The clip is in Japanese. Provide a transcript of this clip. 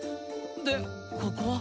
でここは？